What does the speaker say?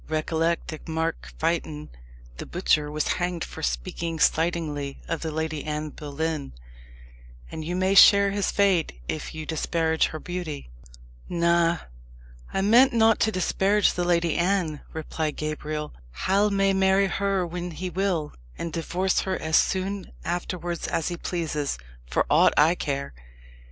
"Recollect that Mark Fytton, the butcher, was hanged for speaking slightingly of the Lady Anne Boleyn; and you may share his fate if you disparage her beauty." "Na I meant not to disparage the Lady Anne," replied Gabriel. "Hal may marry her when he will, and divorce her as soon afterwards as he pleases, for aught I care.